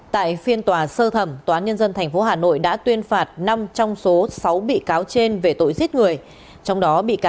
tại phiên tòa sơ thẩm tòa án nhân dân tp hà nội đã tuyên phạt năm trong số sáu bị cáo trên về tội giết người